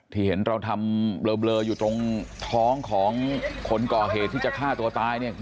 ที่เห็นเราทำเบลออยู่ตรงท้องของคนก่อเหตุที่จะฆ่าตัวตายเนี่ย